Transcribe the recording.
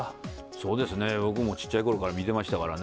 そうですね、僕もちっちゃいころから見てましたからね。